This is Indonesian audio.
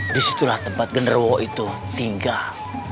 disitulah tempat genderuwo itu tinggal